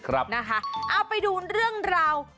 เอาไปดูเรื่องราว